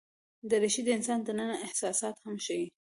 دریشي د انسان دننه احساسات هم ښيي.